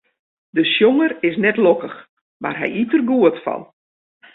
De sjonger is net lokkich, mar hy yt der goed fan.